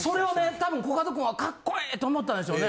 多分コカド君は「カッコええ」と思ったんでしょうね。